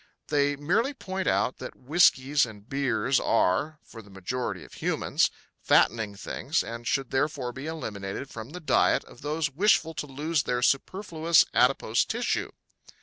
They merely point out that whiskies and beers are, for the majority of humans, fattening things and should therefore be eliminated from the diet of those wishful to lose their superfluous adipose tissue.